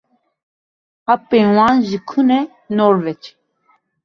Apên wan ji ku ne? "Norwêc."